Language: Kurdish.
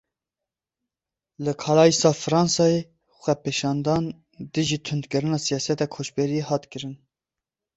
Li Calaisa Fransayê, xwepêşandan dijî tundkirina siyaseta koçberiyê hat kirin.